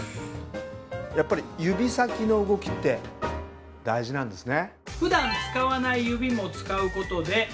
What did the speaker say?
やっぱり指先の動きって大事なんですね。